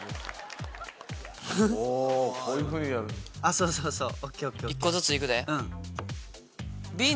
そうそうそう。